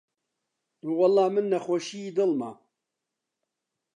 وەڵڵا من نەخۆشیی دڵمە